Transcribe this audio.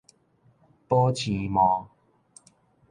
保鮮膜